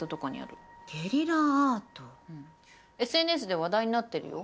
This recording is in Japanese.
ＳＮＳで話題になってるよ。